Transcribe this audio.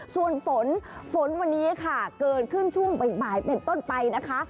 ส่วนฝนฝนวันนี้ค่ะเกิดขึ้นช่วงบ่ายเป็นต้นไปนะคะ